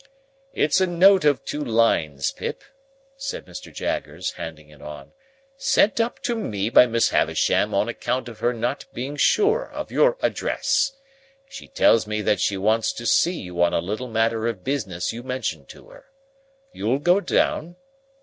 "It's a note of two lines, Pip," said Mr. Jaggers, handing it on, "sent up to me by Miss Havisham on account of her not being sure of your address. She tells me that she wants to see you on a little matter of business you mentioned to her. You'll go down?"